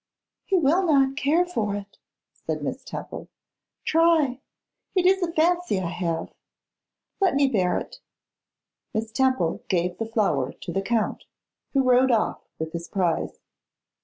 'He will not care for it,' said Miss Temple. 'Try. It is a fancy I have. Let me bear it.' Miss Temple gave the flower to the Count, who rode off with his prize.